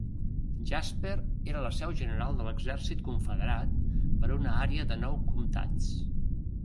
Jasper era la seu general de l'exèrcit confederat per a una àrea de nou comtats.